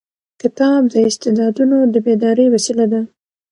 کتاب د استعدادونو د بیدارۍ وسیله ده.